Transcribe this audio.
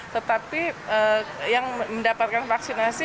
tetapi yang mendapatkan vaksinasi